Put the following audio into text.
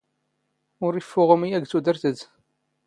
ⵓⵔ ⵉⴼⴼⵓⵖ ⵓⵎⵢⴰ ⴳ ⵜⵓⴷⵔⵜ ⴰⴷ.